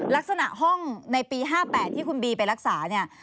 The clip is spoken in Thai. ลักษณะห้องในปี๕๘ที่คุณบีไปรักษาเนี่ย